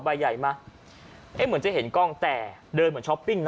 ใบใหญ่มาเอ๊ะเหมือนจะเห็นกล้องแต่เดินเหมือนช้อปปิ้งนะ